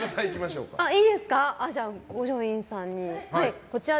五条院さんに。